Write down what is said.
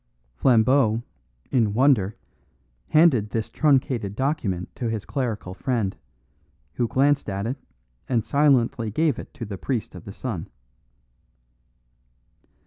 Flambeau, in wonder, handed this truncated testament to his clerical friend, who glanced at it and silently gave it to the priest of the sun.